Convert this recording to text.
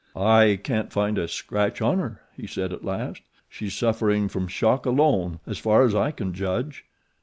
"I can't find a scratch on her," he said at last. "She's suffering from shock alone, as far as I can judge.